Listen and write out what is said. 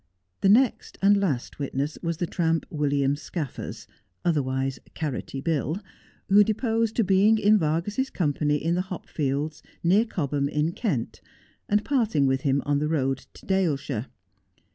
The next and last witness was the tramp, William Scaffers, otherwise CaiTotty Bill, who deposed to being in Vargas's com pany in the hopfielcls, near Cobham, in Kent, and parting with him on the road to Daleshire.